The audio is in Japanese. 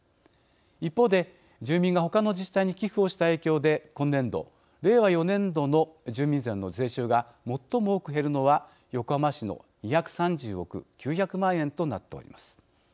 一方で、住民が他の自治体に寄付をした影響で今年度、令和４年度の住民税の税収が最も多く減るのは横浜市の２３０億９００万円となっております。